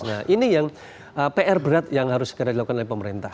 nah ini yang pr berat yang harus segera dilakukan oleh pemerintah